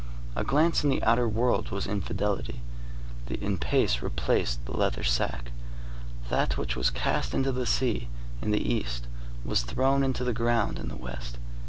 A glance on the outer world was infidelity. The in pace replaced the leather sack. That which was cast into the sea in the East was thrown into the ground in the West.